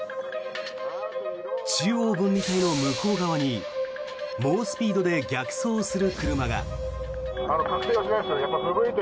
中央分離帯の向こう側に猛スピードで逆走する車が。